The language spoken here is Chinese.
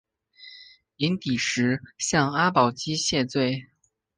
寅底石向阿保机谢罪。